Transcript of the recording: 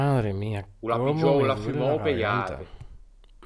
O l’à piggiou l’affummou pe-e ave.